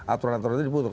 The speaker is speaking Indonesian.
aturan aturan itu dibutuhkan